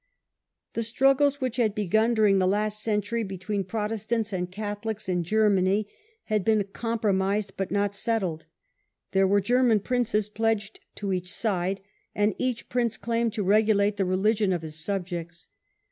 The struggles which had begun during the last century between Protestants and Catholics in Germany had been compromised but not settled. There were The Thirty German princes pledged to each side, and Years' war. each prince claimed to regulate the religion of his subjects.